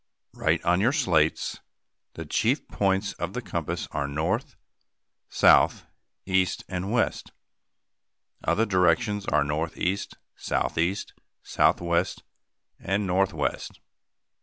] Write on your slates: The chief points of the compass are north, south, east, and west. Other directions are northeast, southeast, southwest, and northwest.